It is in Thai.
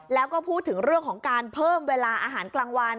แล้วก็พูดถึงเรื่องของการเพิ่มเวลาอาหารกลางวัน